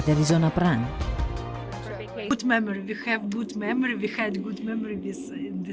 saya memiliki pengalaman yang baik saya memiliki pengalaman yang baik di tempat ini